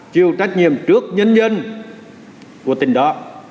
chịu trách nhiệm trước nhân dân của tỉnh đó